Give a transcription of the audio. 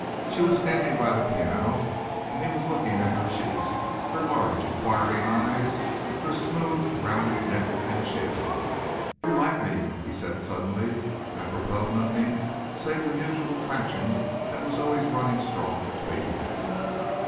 She was standing by the piano and he was looking at her cheeks, her large inquiring eyes, her smooth rounded neck and chin. "You like me," he said suddenly à propos of nothing save the mutual attraction that was always running strong between them.